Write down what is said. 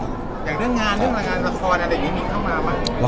อย่างเรื่องงานเรื่องงานละครอ่ะแต่ยังไม่มีเข้ามาอ่ะ